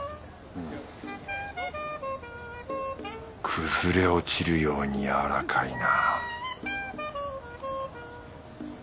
崩れ落ちるようにやわらかいな